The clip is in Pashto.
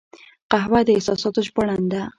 قهوه د احساساتو ژباړن ده